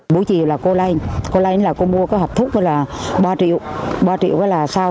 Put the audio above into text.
buổi chiều là cô lên cô lên là cô mua cái hộp thuốc là ba triệu ba triệu là sao